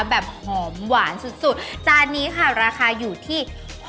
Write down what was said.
แบบหอมหวานสุดสุดจานนี้ค่ะราคาอยู่ที่